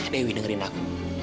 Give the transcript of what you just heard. dewi dengerin aku